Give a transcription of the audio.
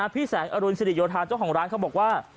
พี่แสงอรุณสิริโยธาเจ้าของร้านเขาบอกว่า